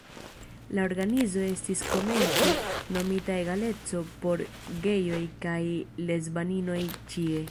La organizo estis komence nomita "Egaleco por gejoj kaj lesbaninoj ĉie".